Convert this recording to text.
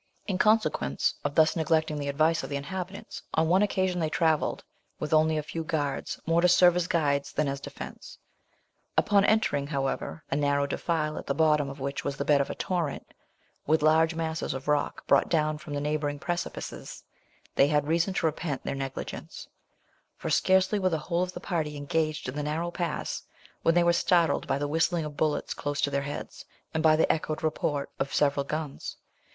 In consequence of thus neglecting the advice of the inhabitants, on one occasion they travelled with only a few guards, more to serve as guides than as a defence. Upon entering, however, a narrow defile, at the bottom of which was the bed of a torrent, with large masses of rock brought down from the neighbouring precipices, they had reason to repent their negligence; for scarcely were the whole of the party engaged in the narrow pass, when they were startled by the whistling of bullets close to their heads, and by the echoed report of several guns.